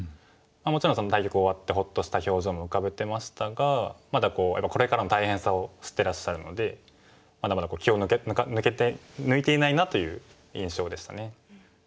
もちろん対局終わってほっとした表情も浮かべてましたがまだやっぱりこれからの大変さを知ってらっしゃるのでまだまだ気を抜いていないなという印象でしたね。